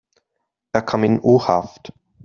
Er kam in U-Haft.